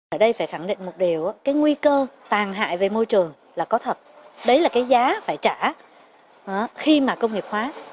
ở đây phải khẳng định một điều cái nguy cơ tàn hại về môi trường là có thật đấy là cái giá phải trả khi mà công nghiệp hóa